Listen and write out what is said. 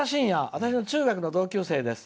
私の中学の同級生です。